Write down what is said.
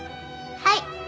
はい！